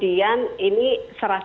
dan kemudian juga tempat tempat kemampuan